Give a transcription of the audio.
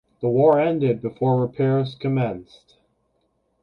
The war ended before repairs commenced.